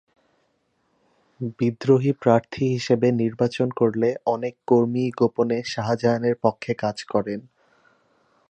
বিদ্রোহী প্রার্থী হিসেবে নির্বাচন করলে অনেক কর্মীই গোপনে শাহজাহানের পক্ষে কাজ করেন।